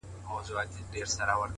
د نورو بخښل زړه سپکوي؛